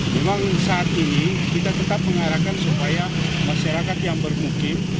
memang saat ini kita tetap mengarahkan supaya masyarakat yang bermukim